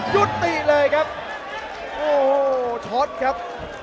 ยุติเลยครับโอ้โหช็อตครับ